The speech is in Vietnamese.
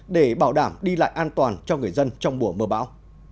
để bảo đảm đi lại an toàn cho người dân trong mùa mưa bão